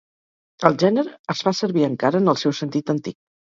El gènere es fa servir encara en el seu sentit antic.